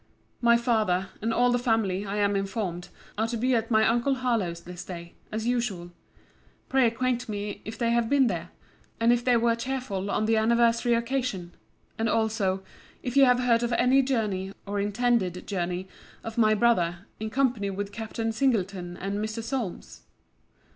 My father, and all the family, I am informed, are to be at my uncle Harlowe's this day, as usual. Pray acquaint me, if they have been there? And if they were cheerful on the anniversary occasion? And also, if you have heard of any journey, or intended journey, of my brother, in company with Captain Singleton and Mr. Solmes?